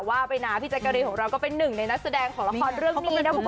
ว่าเปนาพิจักริยของเราก็เป็นหนึ่งในนักแสดงของละครเรื่องนี้นะพวกผู้ชม